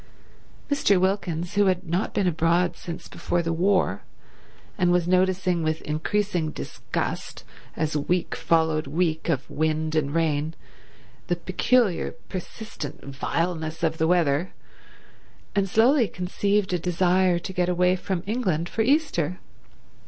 Mr. Wilkins, who had not been abroad since before the war, and was noticing with increasing disgust, as week followed week of wind and rain, the peculiar persistent vileness of the weather, and slowly conceived a desire to get away from England for Easter.